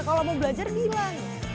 kalau mau belajar bilang